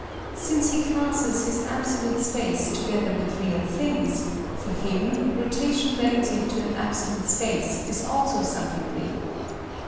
Since he classes his absolute space together with real things, for him rotation relative to an absolute space is also something real.